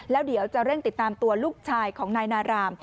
แล้วเดี๋ยวจะเร่งติดตามตัวลูกชายของนายนาราม